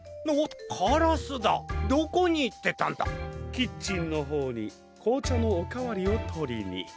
キッチンのほうにこうちゃのおかわりをとりに。